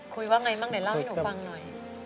คุยว่าไงบ้างไหนเล่าให้หนูฟังหน่อย